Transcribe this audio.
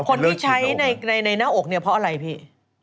คนที่ใช้ในหน้าอกเนี่ยเพราะอะไรพี่